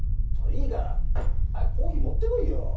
いいから早くコーヒー持ってこいよ！